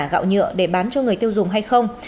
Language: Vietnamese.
gạo nhựa để bán cho người tiêu dùng hay không